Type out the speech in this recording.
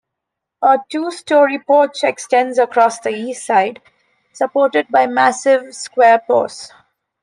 A two-story porch extends across the east side, supported by massive square posts.